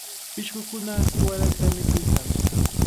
Pishqukuna siwarata mikuykan.